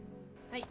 はい。